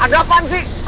ada apaan sih